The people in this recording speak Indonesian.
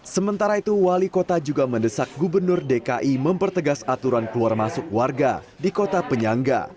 sementara itu wali kota juga mendesak gubernur dki mempertegas aturan keluar masuk warga di kota penyangga